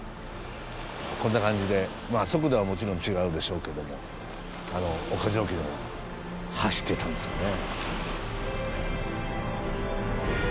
こんな感じでまあ速度はもちろん違うでしょうけども陸蒸気も走っていたんですかね。